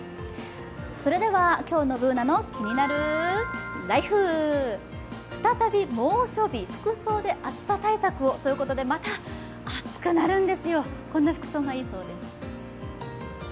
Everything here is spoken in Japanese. それでは、今日の「ＢｏｏｎａのキニナルＬＩＦＥ」再び猛暑日、服装で暑さ対策をということで、また暑くなるんですよ、こんな服装がいいそうです。